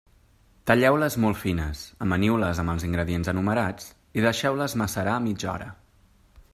Talleu-les molt fines, amaniu-les amb els ingredients enumerats i deixeu-les macerar mitja hora.